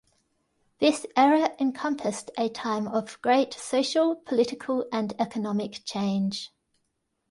This era encompassed a time of great social, political, and economic change.